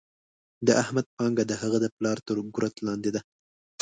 د احمد پانګه د هغه د پلار تر ګورت لاندې ده.